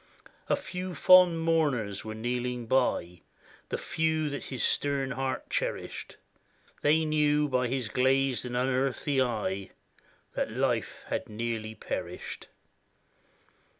A few fond mourners were kneeling by, The few that his stern heart cherished; They knew by his glazed and unearthly eye That life had nearly perished.